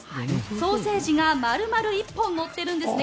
ソーセージが丸々１本乗っているんですね。